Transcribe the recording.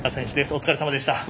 お疲れさまでした。